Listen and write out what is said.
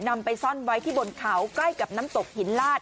นำไปซ่อนไว้ที่บนเขาใกล้กับน้ำตกหินลาด